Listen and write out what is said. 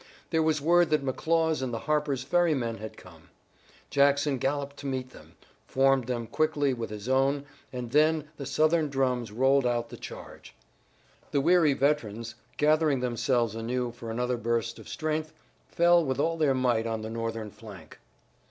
There was word that McLaws and the Harper's Ferry men had come. Jackson galloped to meet them, formed them quickly with his own, and then the Southern drums rolled out the charge. The weary veterans, gathering themselves anew for another burst of strength, fell with all their might on the Northern flank.